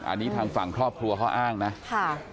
อันนี้ทางฝั่งครอบครัวเขาอ้างนะค่ะ